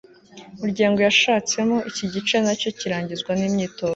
muryango yashatsemo. iki gice na cyo kirangizwa n'imyitozo